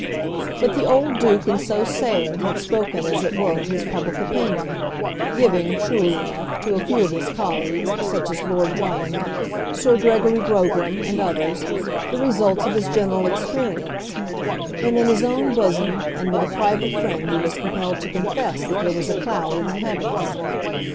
But the old Duke in so saying had spoken as it were his public opinion, giving, truly enough, to a few of his colleagues, such as Lord Drummond, Sir Gregory Grogram and others, the results of his general experience; but in his own bosom and with a private friend he was compelled to confess that there was a cloud in the heavens.